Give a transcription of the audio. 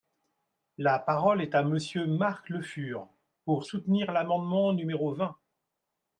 La parole est à Monsieur Marc Le Fur, pour soutenir l’amendement numéro vingt.